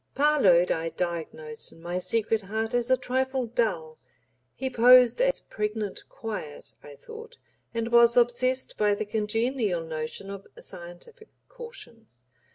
Parload I diagnosed in my secret heart as a trifle dull; he posed as pregnant quiet, I thought, and was obsessed by the congenial notion of "scientific caution."